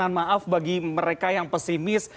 mohon maaf bagi mereka yang pesimis